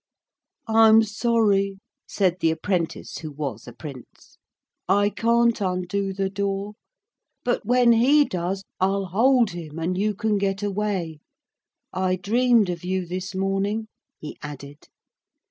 'I'm sorry,' said the apprentice who was a Prince. 'I can't undo the door, but when he does I'll hold him and you can get away. I dreamed of you this morning,' he added.